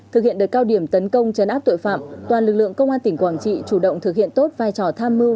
thực hiện đợt cao điểm tấn công chấn áp tội phạm toàn lực lượng công an tỉnh quảng trị chủ động thực hiện tốt vai trò tham mưu